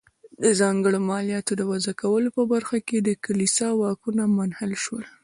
د ځانګړو مالیاتو د وضع کولو په برخه کې د کلیسا واکونه منحل شول.